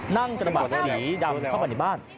นั่งกระบาดหลีดำเข้ามาในบ้าน